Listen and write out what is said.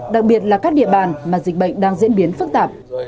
đặc biệt là các địa bàn mà dịch bệnh đang diễn biến phức tạp